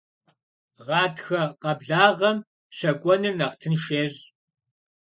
Гъатхэ къэблагъэм щэкӀуэныр нэхъ тынш ещӀ.